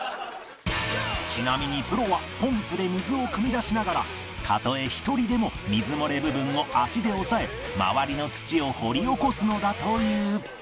ちなみにプロはポンプで水をくみ出しながらたとえ１人でも水漏れ部分を足で押さえ周りの土を掘り起こすのだという